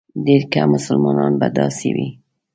ډېر کم مسلمانان به داسې وي.